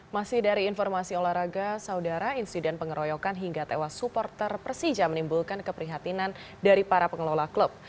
masih dari informasi olahraga saudara insiden pengeroyokan hingga tewas supporter persija menimbulkan keprihatinan dari para pengelola klub